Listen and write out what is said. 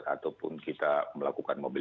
ataupun kita melakukan mobil